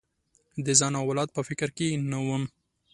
د ځان او اولاد په فکر کې نه وم.